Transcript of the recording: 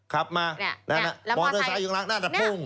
ขับมานั่นนะมอเตอร์ไซค์อยู่ข้างล่างน่าจะพุ่ง